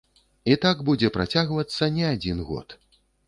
І так будзе працягвацца не адзін год.